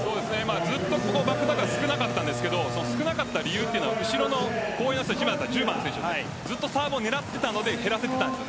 ずっとバックアタックは少なかったんですが少なかった理由は後ろの１０番の選手ずっとサーブを狙っていたので減らしていたんです。